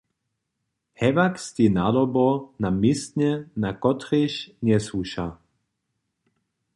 Hewak steji nadobo na městnje, na kotrež njesłuša.